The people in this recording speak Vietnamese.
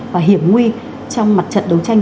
và hiểm nguy trong mặt trận đấu tranh